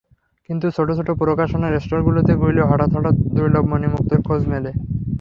কিন্তু ছোট ছোট প্রকাশনার স্টলগুলোতে ঘুরলে হঠাৎ হঠাৎ দুর্লভ মণিমুক্তার খোঁজ মেলে।